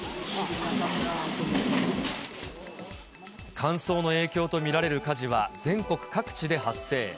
乾燥の影響と見られる火事は全国各地で発生。